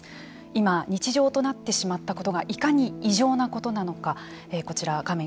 今、日常となってしまったことがいかに異常なことなのかこちら画面